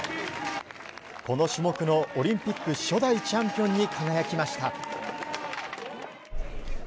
この種目のオリンピック初代チャンピオンに輝きました。